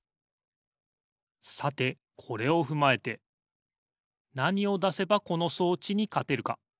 さてこれをふまえてなにをだせばこの装置にかてるか。